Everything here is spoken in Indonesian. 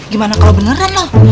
gimana kalau beneran loh